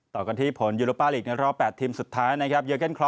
ต่อกันที่ผลยุโรปาลีก